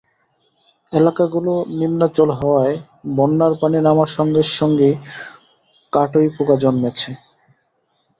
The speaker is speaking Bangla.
এলাকাগুলো নিম্নাঞ্চল হওয়ায় বন্যার পানি নামার সঙ্গে সঙ্গে কাটই পোকা জন্মেছে।